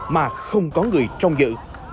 mà không có người trong dự